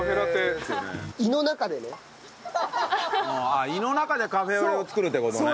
ああ胃の中でカフェオレを作るって事ね。